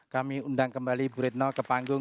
kami undang kembali ibu reno ke panggung